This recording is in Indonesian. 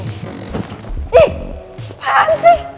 ih apaan sih